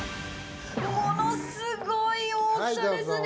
ものすごい大きさですね。